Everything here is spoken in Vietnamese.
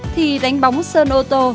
thì đánh bóng sơn ô tô